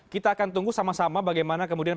kita akan tunggu sama sama bagaimana kemudian